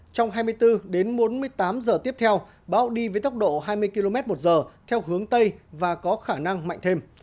trong hai mươi bốn đến bốn mươi tám giờ tiếp theo bão đi với tốc độ hai mươi km một giờ theo hướng tây và có khả năng mạnh thêm